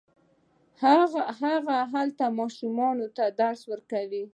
هغه هلته ماشومانو ته درس ورکاوه.